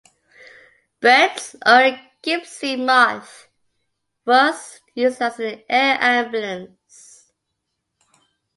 Bird's own Gipsy Moth was used as an air ambulance.